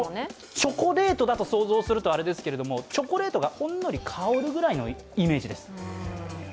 チョコレートだと想像するとあれですが、チョコレートがほんのり香るぐらいのイメージです。